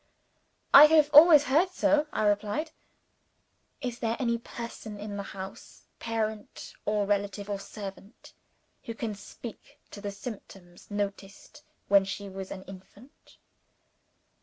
"I have always heard so," I replied. "Is there any person in the house parent, or relative, or servant who can speak to the symptoms noticed when she was an infant?"